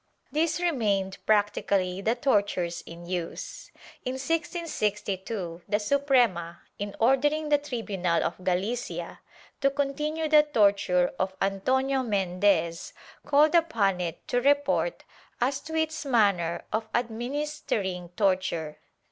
These remained practically the tortures in use. In 1662 the Suprema, in ordering the tribunal of Galicia to "continue" the torture of Antonio Mendez, called upon it to report as to its manner of administering torture.